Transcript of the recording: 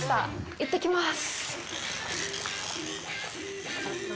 行ってきます。